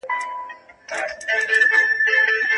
که علم په پښتو وي، نو پوهه تل ژوندۍ وي.